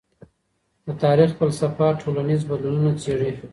د تاریخ فلسفه ټولنیز بدلونونه څېړي.